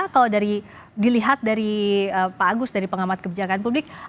kalau dari dilihat dari pak agus dari pengamat kebijakan publik